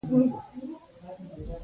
دغه کردار پردی دی او پښتانه پکې وژل کېږي.